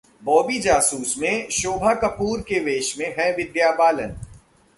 बॉबी जासूस में शोभा कपूर के वेश में हैं विद्या बालन